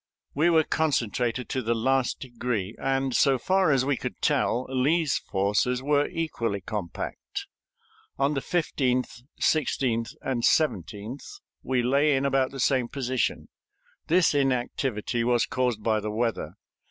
We were concentrated to the last degree, and, so far as we could tell, Lee's forces were equally compact. On the 15th, 16th, and 17th, we lay in about the same position. This inactivity was caused by the weather.